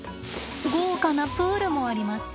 豪華なプールもあります。